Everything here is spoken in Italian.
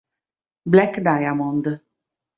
Black Diamond